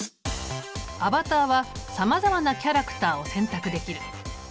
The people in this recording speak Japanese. アバターはさまざまなキャラクターを選択できる。